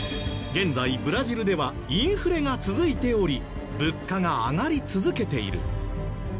現在ブラジルではインフレが続いており物価が上がり続けている。